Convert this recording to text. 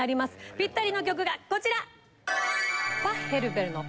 ぴったりの曲がこちら。